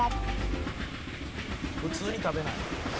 「普通に食べない？」